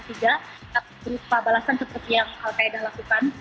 tiga berupa balasan seperti yang al qaeda lakukan